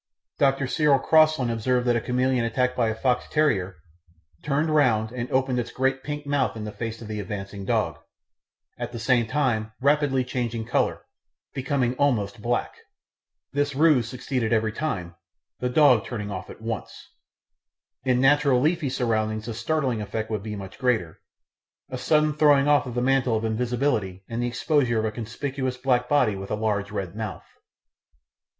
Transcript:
Dr. Cyril Crossland observed that a chameleon attacked by a fox terrier "turned round and opened its great pink mouth in the face of the advancing dog, at the same time rapidly changing colour, becoming almost black. This ruse succeeded every time, the dog turning off at once." In natural leafy surroundings the startling effect would be much greater a sudden throwing off of the mantle of invisibility and the exposure of a conspicuous black body with a large red mouth.